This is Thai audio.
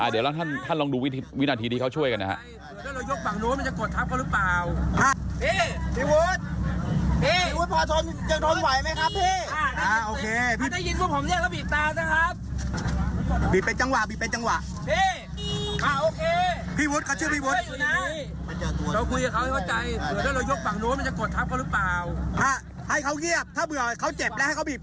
เดี๋ยวท่านลองดูวินาทีที่เขาช่วยกันนะครับ